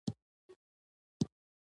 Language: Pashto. یوازې د پخلي مهارت زده کول دي